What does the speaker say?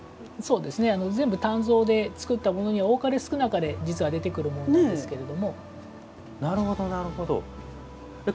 鍛造で作ったものには多かれ少なかれ出てくるものなんですけれども。